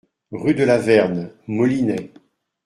Rue de la Verne, Molinet